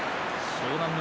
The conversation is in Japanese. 湘南乃